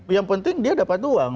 yang penting dia dapat uang